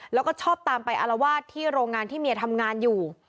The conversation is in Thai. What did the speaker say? แล้วก็ชอบตามไปอารวาสที่โรงงานที่เมียทำงานอยู่